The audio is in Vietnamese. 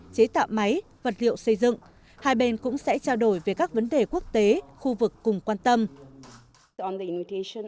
chế tạo máy vật liệu xây dựng hai bên cũng sẽ trao đổi về các vấn đề quốc tế khu vực cùng quan tâm